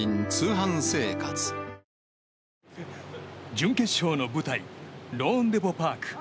準決勝の舞台ローンデポ・パーク。